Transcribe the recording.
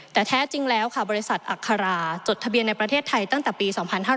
แต่แท้จริงแล้วค่ะบริษัทอัคราจดทะเบียนในประเทศไทยตั้งแต่ปี๒๕๕๙